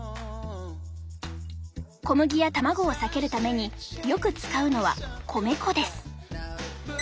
小麦や卵を避けるためによく使うのは米粉です。